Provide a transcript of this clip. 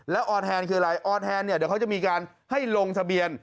แล้วออนแฮนด์คืออะไรออนแฮนด์เขาจะมีการให้ลงสะเบียน